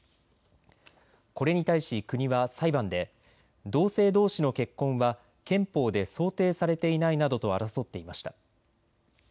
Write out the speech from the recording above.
これに対し国は裁判で同性どうしの結婚は憲法で想定されていないなどと争っていました。